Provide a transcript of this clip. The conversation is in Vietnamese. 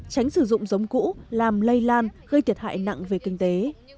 tránh sử dụng giống cũ làm lây lan gây thiệt hại nặng về kinh tế